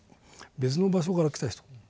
別の場所から来た人。